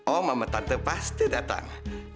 om dan tante pasti datang